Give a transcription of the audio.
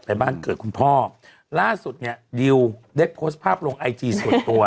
บ้านเกิดคุณพ่อล่าสุดเนี่ยดิวได้โพสต์ภาพลงไอจีส่วนตัว